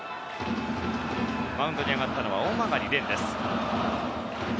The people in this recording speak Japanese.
マウンドに上がったのは大曲錬です。